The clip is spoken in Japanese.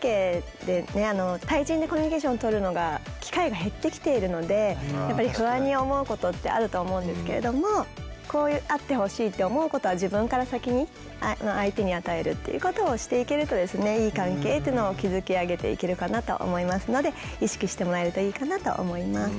対人でコミュニケーションとるのが機会が減ってきているのでやっぱり不安に思うことってあると思うんですけれどもこうあってほしいって思うことは自分から先に相手に与えるっていうことをしていけるといい関係っていうのを築き上げていけるかなと思いますので意識してもらえるといいかなと思います。